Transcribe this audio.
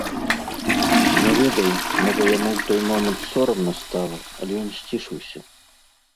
Не ведаю, можа, яму ў той момант сорамна стала, але ён сцішыўся.